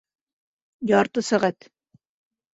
Ярты сәғәт